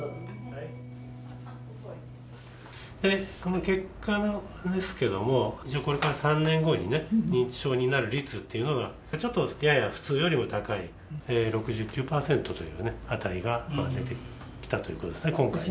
この結果ですけれども、一応、これから３年後に認知症になる率っていうのが、ちょっとやや普通よりも高い、６９％という値が出てきたということですね、今回ね。